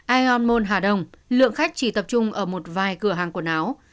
aeon mall hà đông lượng khách chỉ tập trung ở một vài cửa hàng quần áo